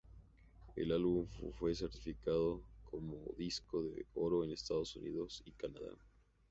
El álbum fue certificado como disco de oro en Estados Unidos y Canadá.